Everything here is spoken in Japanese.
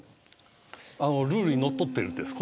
ルールにのっとっているんです。